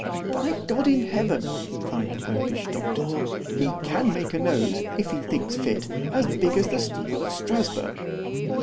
_ By God in heaven, cried the Popish doctors, he can make a nose, if he thinks fit, as big as the steeple of _Strasburg.